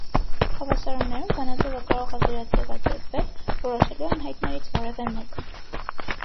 Հավասարումներում բանաձևը կարող է վերաձևակերպվել՝ որոշելու անհայտներից որևէ մեկը։